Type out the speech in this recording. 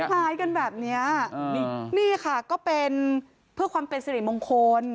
ให้คล้ายกันแบบเนี้ยอ๋อนี่ค่ะก็เป็นเพื่อความเป็นเสร็จมงคล